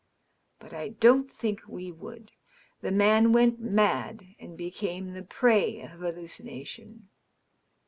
But I don't think we would. The man went mad, and became the prey of hallucination.